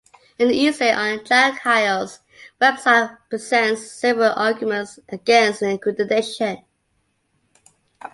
An essay on Jack Hyles' website presents several arguments against accreditation.